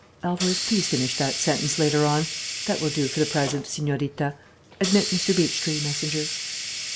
Alvarez, please finish that sentence later on. That will do for the present, señorita.... Admit Mr. Beechtree, messenger."